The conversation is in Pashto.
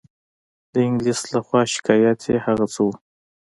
د انګلیس له خوا شکایت یې هغه څه وو.